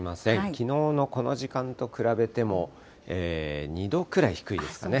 きのうのこの時間と比べても、２度くらい低いですかね。